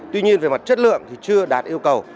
tuy nhiên về mặt chất lượng thì chưa đạt yêu cầu